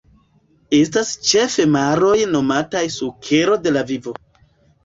Estas ĉefe maroj nomataj sukero de la vivo.